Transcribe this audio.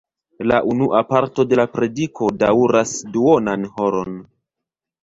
La unua parto de la prediko daŭras duonan horon.